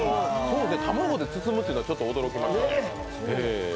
卵で包むというのはちょっと驚きましたね。